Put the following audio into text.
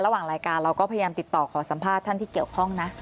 ระหว่างรายการเราก็พยายามติดต่อขอสัมภาษณ์ท่านที่เกี่ยวข้องนะ